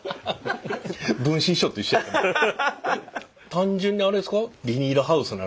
単純にあれですか。